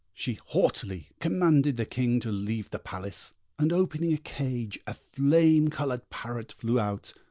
She haughtily commanded the King to leave the palace, and opening a cage, a flame coloured parrot flew out.